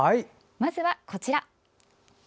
まずは、こちら。